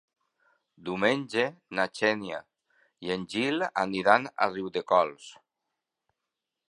Diumenge na Xènia i en Gil aniran a Riudecols.